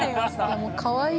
いやもうかわいい。